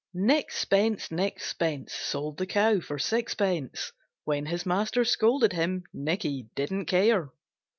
NICK SPENCE, Nick Spence, Sold the Cow for sixpence! When his Master scolded him, Nicky didn't care.